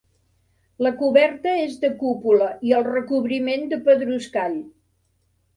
La coberta és de cúpula i el recobriment de pedruscall.